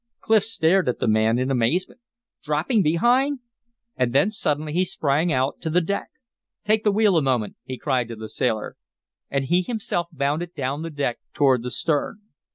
Clif stared at the man in amazement. "Dropping behind!" And then suddenly he sprang out to the deck. "Take the wheel a moment," he cried to the sailor. And he himself bounded down the deck toward the stern.